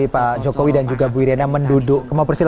tidak dapat sebagai orang yang memena tawar wakil